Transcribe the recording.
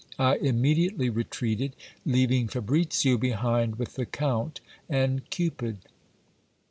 I immediately retreated, leaving Fabricio behind with the Count and Cupid.